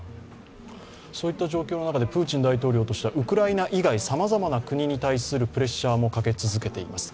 そういった状況の中で、プーチン大統領としてはウクライナ以外、さまざまな国に対するプレッシャーもかけ続けています。